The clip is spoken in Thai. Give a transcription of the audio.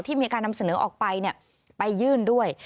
มีการนำเสนอออกไปไปยื่นด้วย